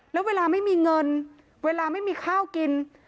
แล้วเวลาไม่มีเงินเวลาไม่มีข้าวกิน